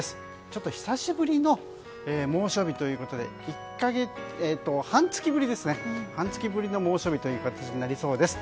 ちょっと久しぶりの猛暑日ということで半月ぶりの猛暑日という形になりそうです。